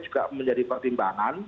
juga menjadi pertimbangan